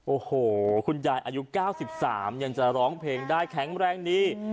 โอ้โหคุณยายอายุ๙๓ยังจะร้องเพลงได้แข็งแรงดี